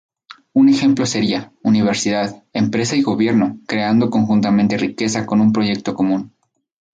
Un ejemplo sería: Universidad, Empresa y Gobierno, creando conjuntamente riqueza con un proyecto común.